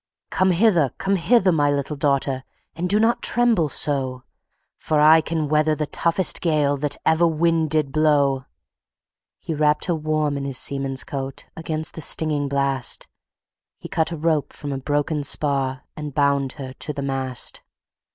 "Come hither! come hither! my little daughter, And do not tremble so: For I can weather the roughest gale, That ever wind did blow." He wrapped her warm in his seaman's coat Against the stinging blast; He cut a rope from a broken spar, And bound her to the mast.